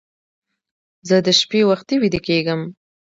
زه د شپې وختي ویده کېږم